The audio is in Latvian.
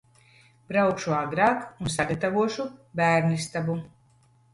Braukšu agrāk un sagatavošu bērnistabu.